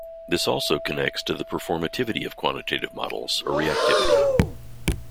This also connects to the performativity of quantitative models or reacitivity.